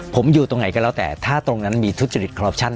ผมอยู่ตรงไหนก็แล้วแต่ถ้าตรงนั้นมีทุจริตคอปชั่น